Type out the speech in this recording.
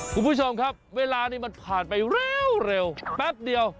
คุณผู้ชมครับเวลานี้มันผ่านไปเร็ว